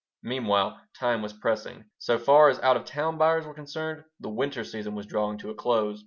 Meanwhile, time was pressing. So far as out of town buyers were concerned, the "winter season" was drawing to a close.